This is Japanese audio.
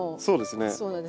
そうですね。